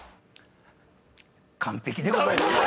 完璧でございます。